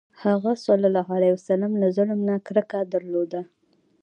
هغه ﷺ له ظلم نه کرکه درلوده.